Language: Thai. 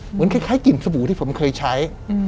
เหมือนคล้ายกลิ่นสบู่ที่ผมเคยใช้